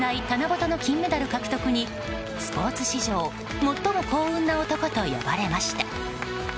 棚ぼたの金メダル獲得にスポーツ史上最も幸運な男と呼ばれました。